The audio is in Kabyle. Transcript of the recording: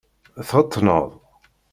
Txetneḍ?